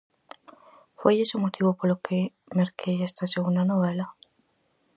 Foi ese o motivo polo que merquei esta segunda novela?